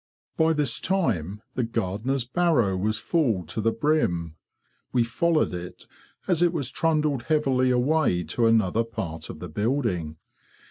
By this time the gardener's barrow was full to the brim. We followed it as it was trundled heavily away to another part of the building.